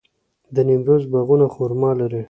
د نیمروز باغونه خرما لري.